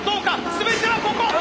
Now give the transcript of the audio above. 全てはここ！